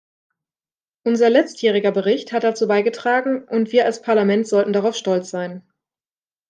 Unser letztjähriger Bericht hat dazu beigetragen, und wir als Parlament sollten darauf stolz sein.